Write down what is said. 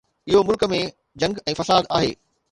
اهو ملڪ ۾ جنگ ۽ فساد آهي.